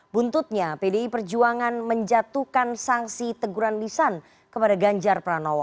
buntutnya pdi perjuangan menjatuhkan sanksi teguran lisan kepada ganjar pranowo